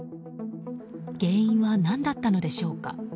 原因は何だったのでしょうか。